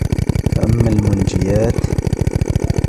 فَأَمَّا الْمُنْجِيَاتُ